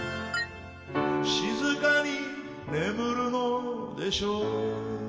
「静かに寝むるのでしょう」